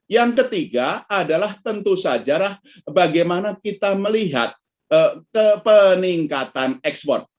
yang ketiga adalah tentu saja bagaimana kita melihat peningkatan ekspor